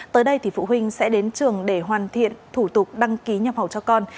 tới đây thì phụ huynh sẽ đến trường để hoàn thiện thủ tục đăng ký nhập khẩu cho con